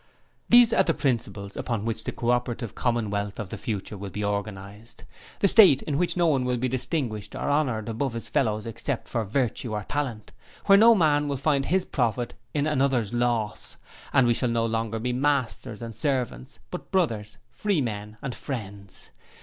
'These are the principles upon which the CO OPERATIVE COMMONWEALTH of the future will be organized. The State in which no one will be distinguished or honoured above his fellows except for Virtue or Talent. Where no man will find his profit in another's loss, and we shall no longer be masters and servants, but brothers, free men, and friends.